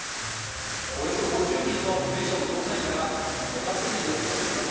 およそ５０人の警視庁の捜査員らがバスに乗り込んでいます。